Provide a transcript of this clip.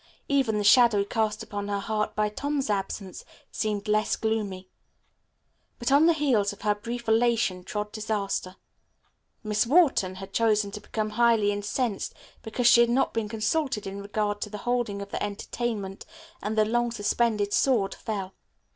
Even the shadow cast upon her heart by Tom's absence seemed less gloomy. But on the heels of her brief elation trod disaster. Miss Wharton had chosen to become highly incensed because she had not been consulted in regard to the holding of the entertainment, and the long suspended sword fell.